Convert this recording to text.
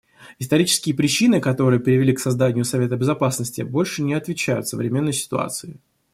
Исторические причины, которые привели к созданию Совета Безопасности, больше не отвечают современной ситуации.